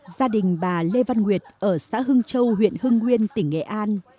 gia đình bà lê văn nguyệt ở xã hưng châu huyện hưng nguyên tỉnh nghệ an